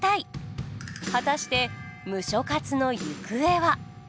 果たしてムショ活の行方は！？